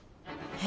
え？